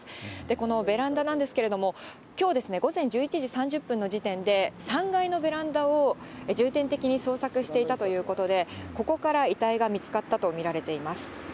このベランダなんですけれども、きょう午前１１時３０分の時点で、３階のベランダを重点的に捜索していたということで、ここから遺体が見つかったと見られています。